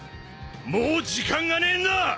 もう時間がねえんだ！